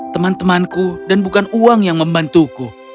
teman temanku dan bukan uang yang membantuku